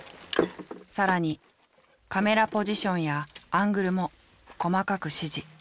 更にカメラポジションやアングルも細かく指示。